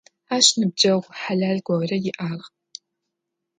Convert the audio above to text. Ащ ныбджэгъу хьалэл горэ иӏагъ.